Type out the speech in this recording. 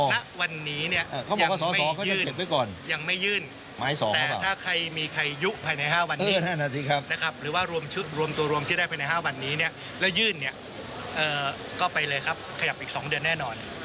ณวันนี้เนี่ยยังไม่ยื่นแต่ถ้าใครมีใครยุบภายใน๕วันนี้นะครับหรือว่ารวมชุดรวมตัวรวมที่ได้ภายใน๕วันนี้เนี่ยแล้วยื่นเนี่ยก็ไปเลยครับขยับอีก๒เดือนแน่นอน